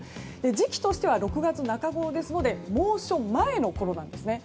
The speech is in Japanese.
時期としては６月中頃ですので猛暑前のころなんですね。